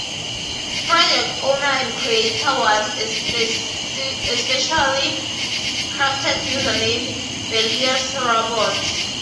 Project owner and creator was a specially crafted user named berliosrobot.